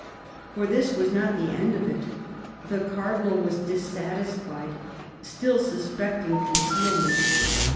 For this was not the end of it. The Cardinal was dis satisfied, still suspecting concealment.